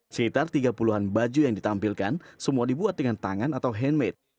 sekitar tiga puluh an baju yang ditampilkan semua dibuat dengan tangan atau handmade